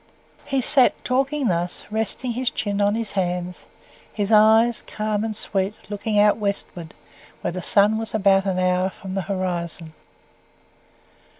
He sat, talking thus, resting his chin on his hands his eyes, calm and sweet, looking out westward where the sun was about an hour from the horizon.